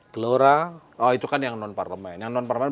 gelora oh itu kan yang non parlomen